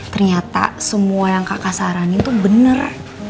ternyata semua yang kakak saranin tuh bener